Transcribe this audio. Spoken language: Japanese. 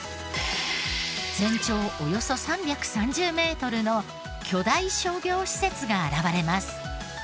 全長およそ３３０メートルの巨大商業施設が現れます。